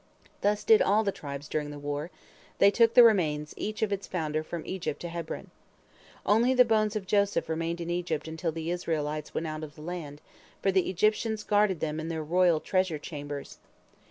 Thus did all the tribes during the war; they took the remains each of its founder from Egypt to Hebron. Only the bones of Joseph remained in Egypt until the Israelites went out of the land, for the Egyptians guarded them in their royal treasure chambers.